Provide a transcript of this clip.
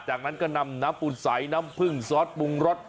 จากนั้นก็นำน้ำปูนใสน้ำผึ้งซอสปรุงรส